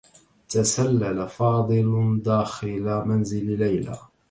تسلّل فاضل داخل منزل ليلى.